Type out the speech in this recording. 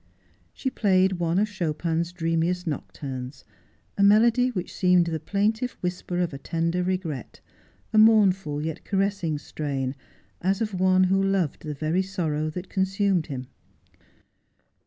She played one of Chopin's dreamiest nocturnes — a melody which seemed the plaintive whisper of a tender regret — a mournful yet caressing strain, as of one who loved the very sorrow that consumed him.